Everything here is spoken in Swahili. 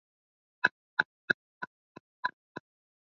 binadamu wa kale waliishi maeneo hayo